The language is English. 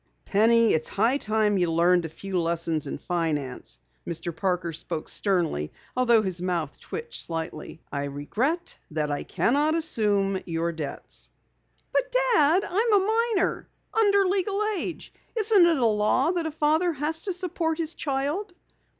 "Penny, it's high time you learned a few lessons in finance." Mr. Parker spoke sternly although his mouth twitched slightly. "I regret that I cannot assume your debts." "But Dad! I'm a minor under legal age. Isn't it a law that a father has to support his child?"